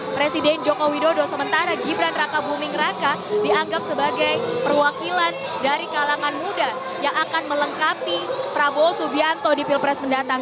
presiden joko widodo sementara gibran raka buming raka dianggap sebagai perwakilan dari kalangan muda yang akan melengkapi prabowo subianto di pilpres mendatang